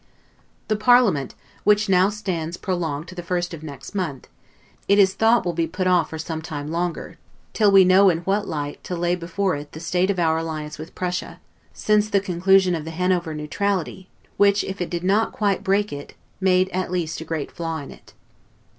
The parliament, which now stands prorogued to the first of next month, it is thought will be put off for some time longer, till we know in what light to lay before it the state of our alliance with Prussia, since the conclusion of the Hanover neutrality; which, if it did not quite break it, made at least a great flaw in it.